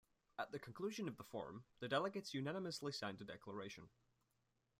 At the conclusion of the forum, the delegates unanimously signed a declaration.